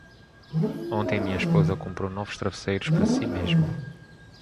Ontem minha esposa comprou novos travesseiros para si mesma.